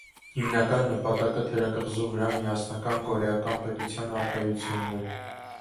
Հիմնական նպատակը թերակղզու վրա միասնական կորեական պետության առկայությունն է։